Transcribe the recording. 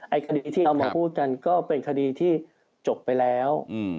คดีที่เอามาพูดกันก็เป็นคดีที่จบไปแล้ว